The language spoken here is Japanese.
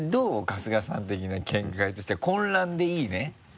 春日さん的な見解として混乱でいいね？